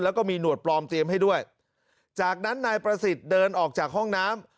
แล้วก็มีหนวดปลอมเตรียมให้ด้วยจากนั้นนายประสิทธิ์เดินออกจากห้องน้ำ